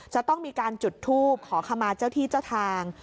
จะต้องมีการจุดทูบขอขมาเจ้าที่เจ้าทาง